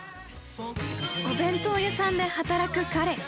◆お弁当屋さんで働く彼。